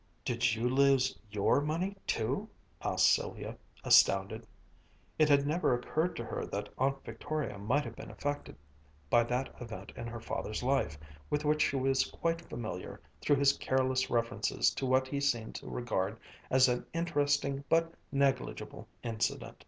"Did you lose your money, too?" asked Sylvia, astounded. It had never occurred to her that Aunt Victoria might have been affected by that event in her father's life, with which she was quite familiar through his careless references to what he seemed to regard as an interesting but negligible incident.